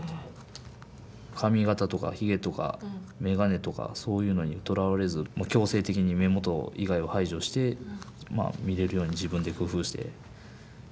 髪形とかヒゲとか眼鏡とかそういうのにとらわれず強制的に目元以外を排除して見れるように自分で工夫して。